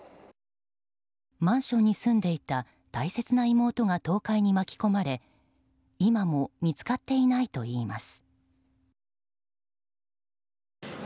マンションに住んでいた大切な妹が倒壊に巻き込まれ今も見つかっていないといいます。